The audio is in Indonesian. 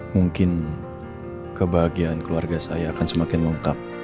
mungkin kebahagiaan keluarga saya akan semakin lengkap